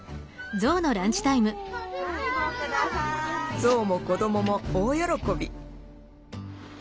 ゾウも子どもも大喜び。